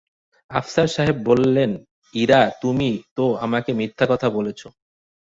আফসার সাহেব বললেন, ইরা, তুমি তো আমাকে মিথ্যা কথা বলেছ।